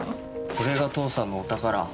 これが父さんのお宝。